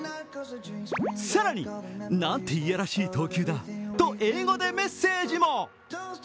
更に、「なんて嫌らしい投球だ」と英語でメッセージも。